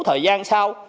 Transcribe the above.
thời gian sau